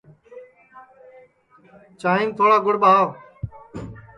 چانٚھیم تھوڑا گُڑ ٻاہوَ